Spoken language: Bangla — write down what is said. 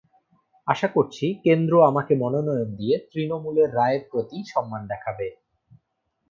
আশা করছি, কেন্দ্র আমাকে মনোনয়ন দিয়ে তৃণমূলের রায়ের প্রতি সম্মান দেখাবে।